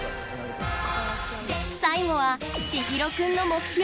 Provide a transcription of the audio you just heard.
最後は、しひろ君の目標。